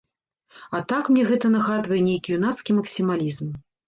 А так мне гэта нагадвае нейкі юнацкі максімалізм.